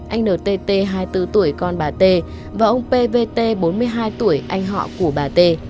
anh nờ tê tê hai mươi bốn tuổi con bà tê và ông pê vê tê bốn mươi hai tuổi anh họ của bà tê